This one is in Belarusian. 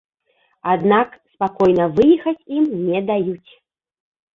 Аднак спакойна выехаць ім не даюць.